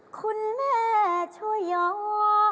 คุณแม่ช่วยยอ